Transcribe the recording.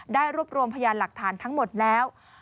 รวบรวมพยานหลักฐานทั้งหมดแล้ว